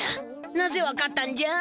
なぜわかったんじゃ？